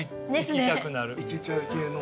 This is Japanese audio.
いけちゃう系の。